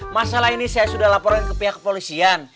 masalah ini saya sudah laporkan ke pihak kepolisian